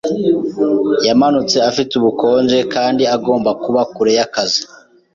Yamanutse afite ubukonje kandi agomba kuba kure yakazi.